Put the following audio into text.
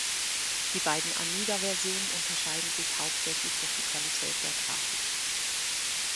Die beiden Amiga-Versionen unterscheiden sich hauptsächlich durch die Qualität der Grafik.